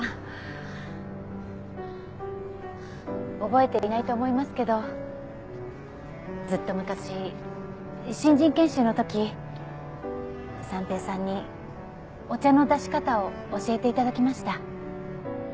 覚えていないと思いますけどずっと昔新人研修の時三瓶さんにお茶の出し方を教えていただきました。